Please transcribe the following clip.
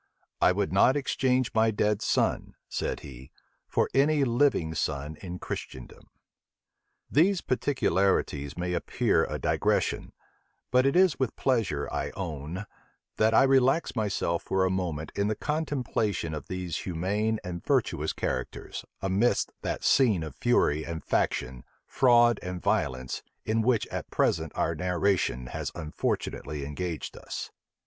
"I would not exchange my dead son," said he, "for any living son in Christendom." These particularities may appear a digression; but it is with pleasure, I own, that I relax myself for a moment in the contemplation of these humane and virtuous characters, amidst that scene of fury and faction, fraud and violence, in which at present our narration has unfortunately engaged us.